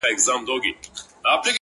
• رویباری د بېګانه خلکو تراب کړم,